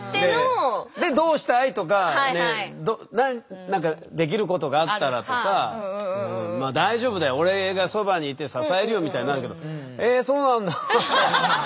で「どうしたい？」とかねえ「何かできることがあったら」とか「大丈夫だよ俺がそばにいて支えるよ」みたいになるけど「えそうなんだ」。